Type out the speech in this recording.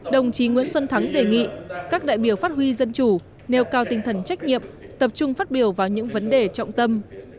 đồng chí nguyễn xuân thắng đề nghị các đại biểu phát huy dân chủ nêu cao tinh thần trách nhiệm tập trung phát biểu vào những vấn đề trọng tâm